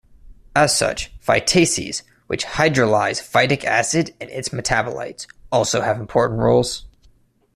As such, phytases, which hydrolyze phytic acid and its metabolites, also have important roles.